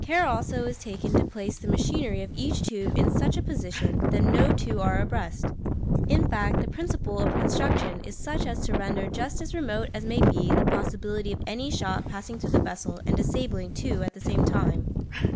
Care also is taken to place the machinery of each tube in such a position that no two are abreast. In fact, the principle of construction is such as to render just as remote as may be the possibility of any shot passing through the vessel and disabling two at the same time.